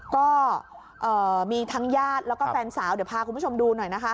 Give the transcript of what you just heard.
ก็มีทั้งญาติแล้วก็แฟนสาวเดี๋ยวพาคุณผู้ชมดูหน่อยนะคะ